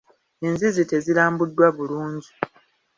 Enzizi tezirambuddwa bulungi.